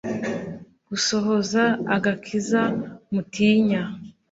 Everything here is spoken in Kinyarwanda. gusohoza agakiza mutinya